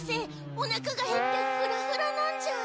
おなかがへってフラフラなんじゃ。